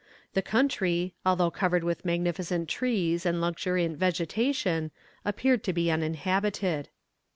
The country, although covered with magnificent trees and luxuriant vegetation, appeared to be uninhabited.